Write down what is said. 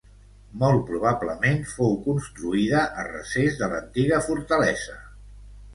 Molt probablement fou construïda a recés de l'antiga fortalesa.